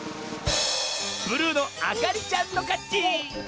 ブルーのあかりちゃんのかち！